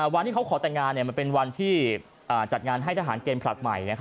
วันที่เขาขอแต่งงานมันเป็นวันที่จัดงานให้ทหารเกณฑ์ผลัดใหม่